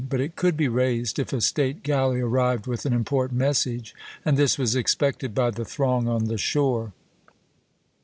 But it could be raised if a state galley arrived with an important message, and this was expected by the throng on the shore.